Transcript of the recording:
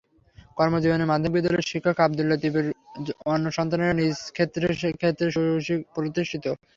কর্মজীবনে মাধ্যমিক বিদ্যালয়ের শিক্ষক আব্দুল লতিফের অন্য সন্তানেরাও নিজ নিজ ক্ষেত্রে সুপ্রতিষ্ঠিত।